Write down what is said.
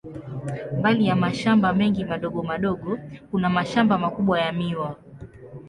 Mbali ya mashamba mengi madogo madogo, kuna mashamba makubwa ya miwa.